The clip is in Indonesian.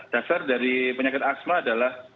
dasar dari penyakit asma adalah